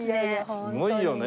すごいよね。